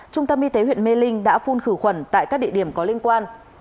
trung tâm y tế huyện mê linh đã phun khử khuẩn tại các địa điểm có liên quan